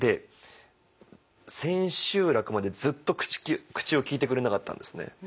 千秋楽までずっと口を利いてくれなかったんですね。